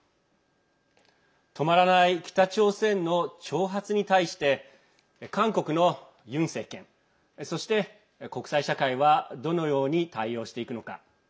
止まらない北朝鮮の挑発に対して韓国のユン政権そして、国際社会はどのように対応していくのか。